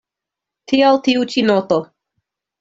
Tial tiu ĉi noto.